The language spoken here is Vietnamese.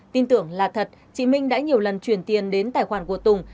tin tưởng là thật chị minh đã nhiều lần chuyển tiền đến tài khoản của tùng